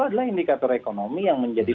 adalah indikator ekonomi yang menjadi